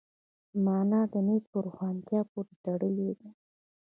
مانا د نیت په روښانتیا پورې تړلې ده.